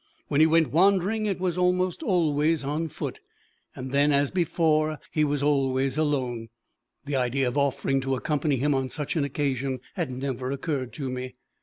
When he went wandering, it was almost always on foot, and then, as before, he was always alone. The idea of offering to accompany him on such an occasion, had never occurred to me.